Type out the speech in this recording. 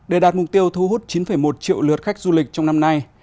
để đạt mục tiêu thu hút chín một triệu lượt khách du lịch trong năm nay